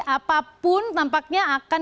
apapun tampaknya akan